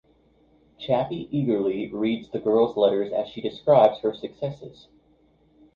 Chappy eagerly reads the girl's letters as she describes her successes.